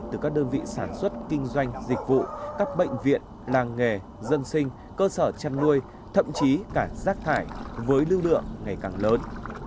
từ các đơn vị sản xuất kinh doanh dịch vụ các bệnh viện làng nghề dân sinh cơ sở chăn nuôi thậm chí cả rác thải với lưu lượng ngày càng lớn